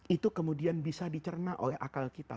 itu kemudian bisa dicerna oleh akal kita